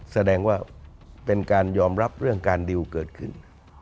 แสดงว่าเป็นการยอมรับเรื่องการดิวเกิดขึ้น